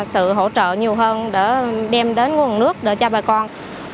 sự hỗ trợ nhiều hơn để đem đến nguồn nước cho bà con